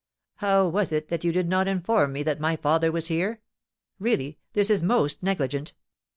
"How was it that you did not inform me that my father was here? Really, this is most negligent."